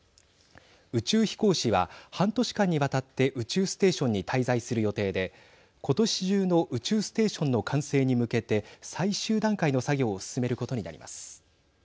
宇宙飛行士は、半年間にわたって宇宙ステーションに滞在する予定でことし中の宇宙ステーションの完成に向けて最終段階の作業を進めることになります。